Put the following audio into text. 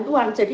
tidak ada dia